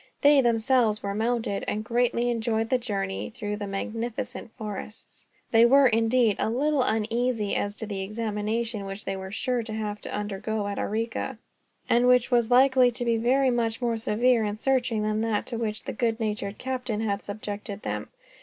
They themselves were mounted, and greatly enjoyed the journey through the magnificent forests. They were, indeed, a little uneasy as to the examination which they were sure to have to undergo at Arica, and which was likely to be very much more severe and searching than that to which the good natured captain had subjected them.